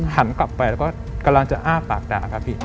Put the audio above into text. หันกลับไปแล้วก็กำลังจะอ้าปากด่า